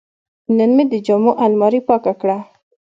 نن مې د جامو الماري پاکه کړه.